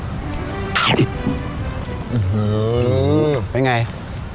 อื้อเป็นอย่างไร